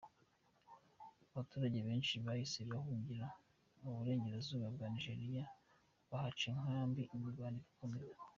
Abaturage benshi bahise bahungira mu Burengerazuba bwa Algeria bahaca inkambi, imirwano irakomeza.